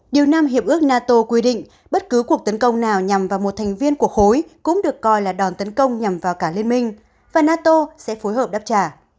điều năm hiệp ước nato quy định bất cứ cuộc tấn công nào nhằm vào một thành viên của khối cũng được coi là đòn tấn công nhằm vào cả liên minh và nato sẽ phối hợp đáp trả